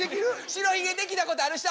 白ひげ出来たことある人。